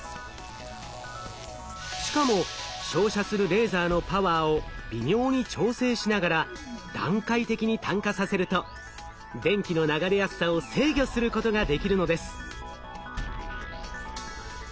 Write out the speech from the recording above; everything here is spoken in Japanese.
しかも照射するレーザーのパワーを微妙に調整しながら段階的に炭化させると電気の流れやすさを制御することができるのです。